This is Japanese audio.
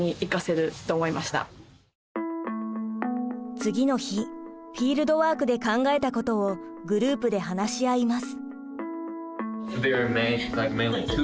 次の日フィールドワークで考えたことをグループで話し合います。